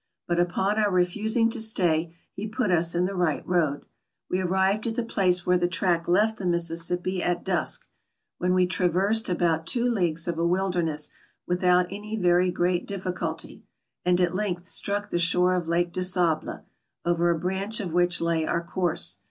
But upon our refusing to stay, he put us in the right road. We arrived at the place where the track left the Mississippi at dusk, when we traversed about two leagues of a wilderness without any very great difficulty, and at length struck the shore of Lake de Sable, over a branch of which lay our course.